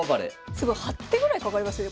すごい８手ぐらいかかりますね